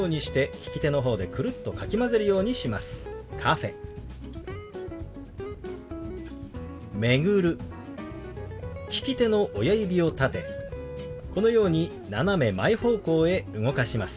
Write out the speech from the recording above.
利き手の親指を立てこのように斜め前方向へ動かします。